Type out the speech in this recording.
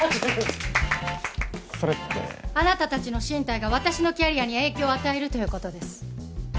それってあなた達の進退が私のキャリアに影響を与えるということです